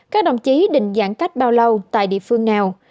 các đồng chí định giãn cách bao lâu tại địa phương nào